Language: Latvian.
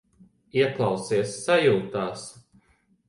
Ieklausies sajūtās.